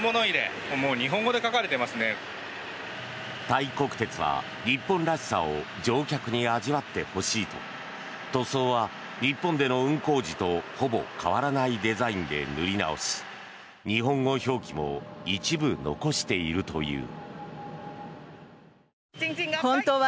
タイ国鉄は日本らしさを乗客に味わってほしいと塗装は日本での運行時とほぼ変わらないデザインで塗り直し日本語表記も一部残しているという。